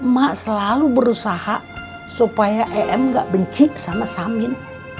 ma selalu berusaha supaya em gak benci sama samin